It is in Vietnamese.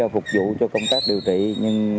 phục vụ cho công tác điều trị nhưng